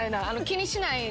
気にしない。